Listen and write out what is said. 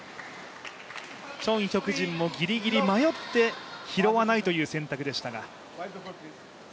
チョン・ヒョクジンもぎりぎり迷って拾わないという選択でしたが。